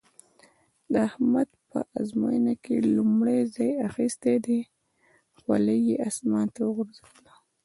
احمد په ازموينه کې لومړی ځای اخيستی دی؛ خولۍ يې اسمان ته وغورځوله.